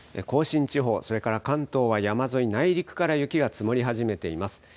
甲信地方、それから関東は山沿い内陸から雪が積もり始めています。